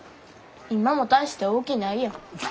今も大して大きないやん。